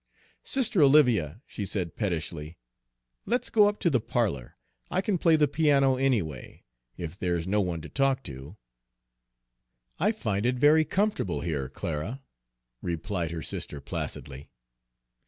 "Sister Olivia," she said pettishly, "let's go up to the parlor. I can play the piano anyway, if there's no one to talk to." "I find it very comfortable here, Clara," replied her sister placidly.